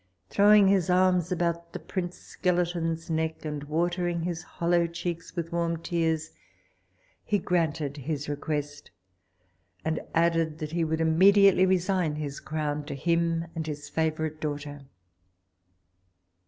Throwing his arms about the prince skeleton's neck and watering his hollow cheeks with warm tears, he granted his request, and added, that he would immediately resign his crown to him and his favourite daughter.